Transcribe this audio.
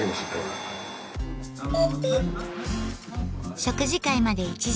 食事会まで１時間。